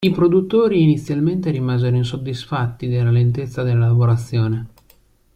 I produttori inizialmente rimasero insoddisfatti della lentezza della lavorazione.